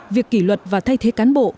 việc kỷ luật và thay thế cán bộ